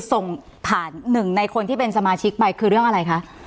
ส่งผ่านหนึ่งในคนที่เป็นสมาชิกไปคือเรื่องอะไรคะ